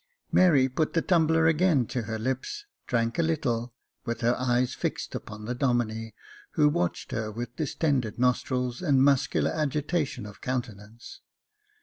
Mary put the tumbler again to her lips, drank a little, with her eyes fixed upon the Domine, who watched her with distended nostrils and muscular agitation of countenance.